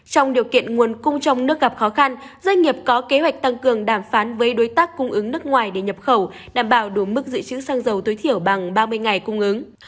trong điều kiện nguồn cung trong nước gặp khó khăn doanh nghiệp có kế hoạch tăng cường đàm phán với đối tác cung ứng nước ngoài để nhập khẩu đảm bảo đủ mức dự trữ xăng dầu tối thiểu bằng ba mươi ngày cung ứng